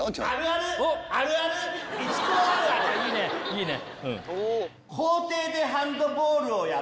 いいね。